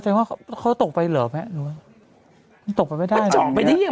ว่าเขาตกไปเหรอแม่หนูมันตกไปไม่ได้มันเจาะไปได้ยังไง